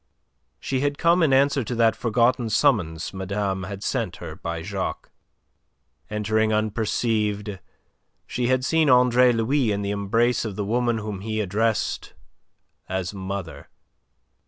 She had come in answer to that forgotten summons madame had sent her by Jacques. Entering unperceived she had seen Andre Louis in the embrace of the woman whom he addressed as "mother."